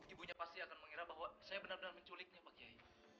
ibunya pasti akan mengira bahwa saya benar benar menculiknya pak kiai